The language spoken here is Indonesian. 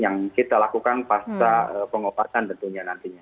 yang kita lakukan pasca pengobatan tentunya nantinya